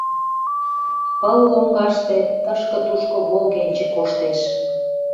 Пыл лоҥгаште тышке-тушко волгенче коштеш.